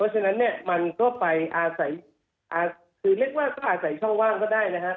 เพราะฉะนั้นมันก็ไปอาศัยเรียกว่าอาศัยช่องว่างก็ได้นะครับ